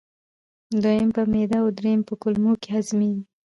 دویم په معدې او دریم په کولمو کې هضمېږي.